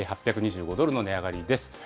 ８２５ドルの値上がりです。